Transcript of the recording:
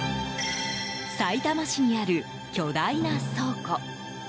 さいたま市にある巨大な倉庫。